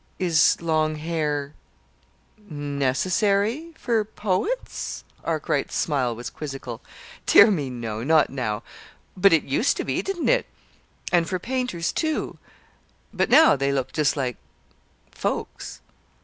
"Is long hair necessary for poets?" Arkwright's smile was quizzical. "Dear me, no; not now. But it used to be, didn't it? And for painters, too. But now they look just like folks."